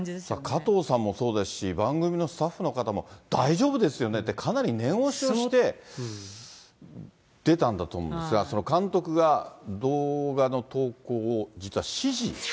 加藤さんもそうですし、番組のスタッフの方も大丈夫ですよねって、かなり念押しをして、出たんだと思いますが、その監督が動画の投稿を実は指示。